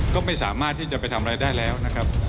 ก็ไม่สามารถที่จะไปทำอะไรได้แล้วนะครับ